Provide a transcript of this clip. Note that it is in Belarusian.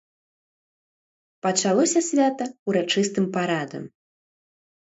Пачалося свята ўрачыстым парадам.